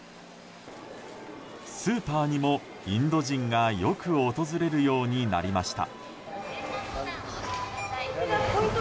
スーパーにもインド人がよく訪れるようになりました。